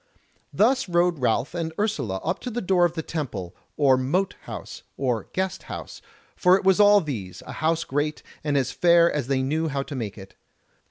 Thus rode Ralph and Ursula up to the door of the Temple, or Mote house, or Guest house, for it was all these, a house great, and as fair as they knew how to make it.